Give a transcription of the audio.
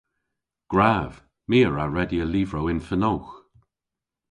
Gwrav! My a wra redya lyvrow yn fenowgh.